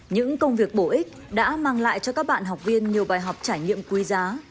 những công việc bổ ích đã mang lại cho các bạn học viên nhiều bài học trải nghiệm quý giá